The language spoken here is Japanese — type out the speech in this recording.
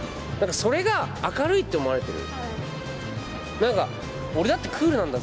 それが明るいって思われてる。